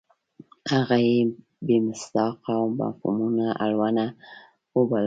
هغه یې بې مصداقه او مفهومونو اړونه وبلله.